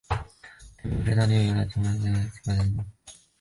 城名是当地原来汉特人地主的家族名称。